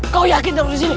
kau yakin taruh disini